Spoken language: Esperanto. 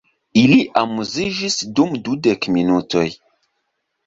Ili amuziĝis dum dudek minutoj.